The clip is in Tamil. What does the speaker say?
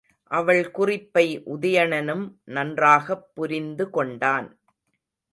அவள் குறிப்பை உதயணனும் நன்றாகப் புரிந்துகொண்டான்.